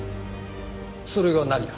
それが何か？